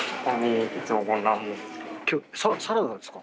サラダですか？